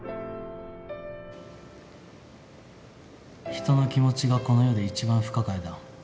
人の気持ちがこの世で一番不可解だ。